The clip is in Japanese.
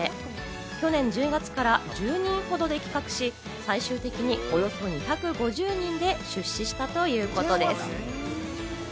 去年１０月から１０人ほどで企画し、最終的におよそ２５０人で出資したということです。